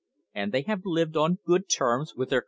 "And they have lived on good terms with their competi tors?"